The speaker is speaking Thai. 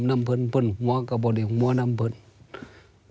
นำเพิ่งเพิ่งหัวก็ไม่ได้หัวนำเพิ่ง